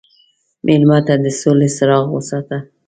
مېلمه ته د سولې څراغ وساته.